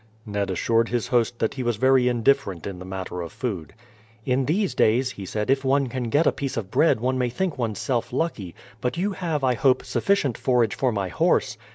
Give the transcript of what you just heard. Ned assured his host that he was very indifferent in the matter of food. "In these days," he said, "if one can get a piece of bread one may think one's self lucky. But you have, I hope, sufficient forage for my horse."